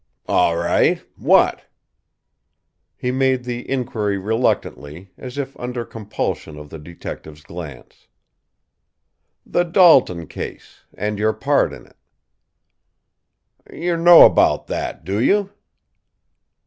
"All right what?" He made the inquiry reluctantly, as if under compulsion of the detective's glance. "The Dalton case and your part in it." "You know about that, do you?"